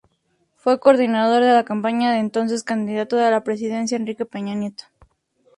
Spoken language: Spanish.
Fue coordinador de campaña del entonces candidato a la Presidencia Enrique Peña Nieto.